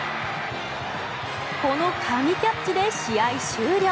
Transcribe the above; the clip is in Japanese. この神キャッチで試合終了。